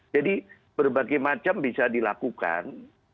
jadi berbagai macam bisa dilakukan